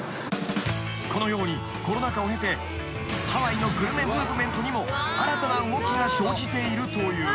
［このようにコロナ禍を経てハワイのグルメムーブメントにも新たな動きが生じているという］